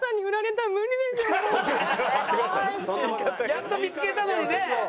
やっと見付けたのにね。